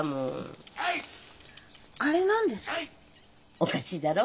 おかしいだろ？